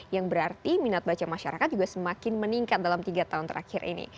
yang berarti minat baca masyarakat juga semakin meningkat dalam tiga tahun terakhir ini